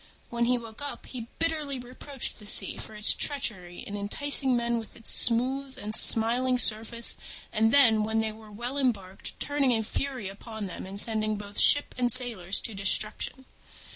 When he woke up, he bitterly reproached the Sea for its treachery in enticing men with its smooth and smiling surface, and then, when they were well embarked, turning in fury upon them and sending both ship and sailors to destruction.